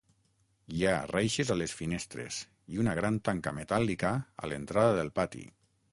Hi ha reixes a les finestres i una gran tanca metàl·lica a l'entrada del pati.